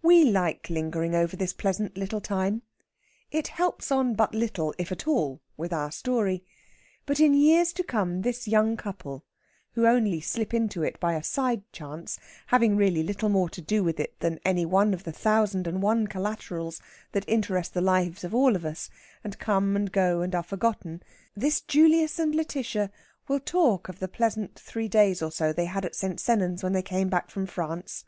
We like lingering over this pleasant little time. It helps on but little, if at all, with our story. But in years to come this young couple, who only slip into it by a side chance, having really little more to do with it than any of the thousand and one collaterals that interest the lives of all of us, and come and go and are forgotten this Julius and Lætitia will talk of the pleasant three days or so they had at St. Sennans when they came back from France.